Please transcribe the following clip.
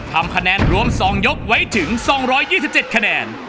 ทำคะแนนรวมสองยกไว้ถึงสองร้อยยี่สิบเจ็ดคะแนน